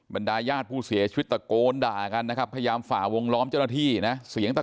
บรรดาญาติผู้เสียชีวิตตะโกนด่ากันนะครับพยายามฝ่าวงล้อมเจ้าหน้าที่นะเสียงตะ